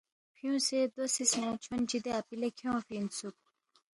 فیُونگسے دو سی شا چھونچی دے اپی لہ کھیونگفی اِنسُوک